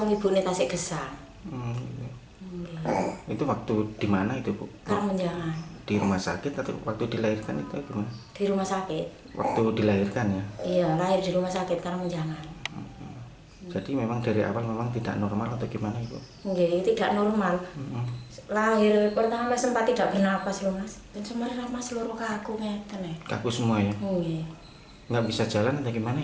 nggak bisa jalan